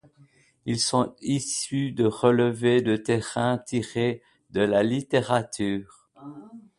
Ils sont issus de relevés de terrain tirés de la littérature.